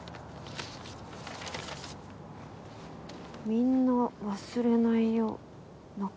「みんな忘れないよ」「中野」。